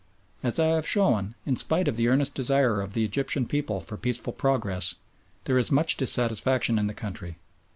As I have shown, in spite of the earnest desire of the Egyptian people for peaceful progress, there is much dissatisfaction in the country.